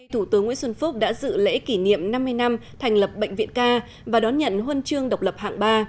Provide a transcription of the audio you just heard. thủ tướng nguyễn xuân phúc đã dự lễ kỷ niệm năm mươi năm thành lập bệnh viện ca và đón nhận huân chương độc lập hạng ba